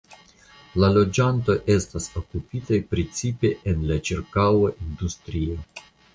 La loĝantoj estas okupitaj precipe en la ĉirkaŭa industrio.